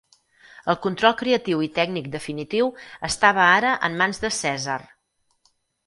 El control creatiu i tècnic definitiu estava ara en mans de Cèsar.